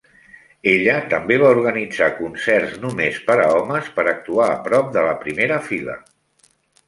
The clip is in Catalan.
Ella també va organitzar concerts només per a homes per actuar a prop de la primera fila.